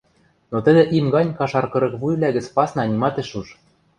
Но тӹдӹ им гань кашар кырык вуйвлӓ гӹц пасна нимат ӹш уж.